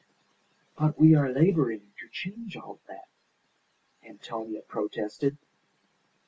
"But we are labouring to change all that," Antonia protested.